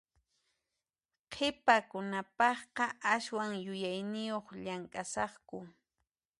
Qhipakunapaqqa aswan yuyayniyuq llamk'asaqku.